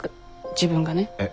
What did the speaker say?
自分がね。え？